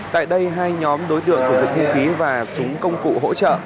tại đây hai nhóm đối tượng sử dụng hung khí và súng công cụ hỗ trợ